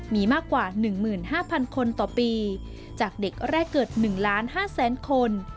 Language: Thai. มีมากกว่า๑๕๐๐๐คนต่อปีจากเด็กแรกเกิด๑๕๐๐๐๐๐คน